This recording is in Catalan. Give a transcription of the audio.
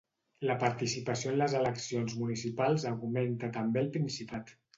La participació en les eleccions municipals augmenta també al Principat.